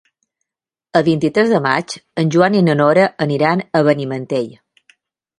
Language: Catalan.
El vint-i-tres de maig en Joan i na Nora aniran a Benimantell.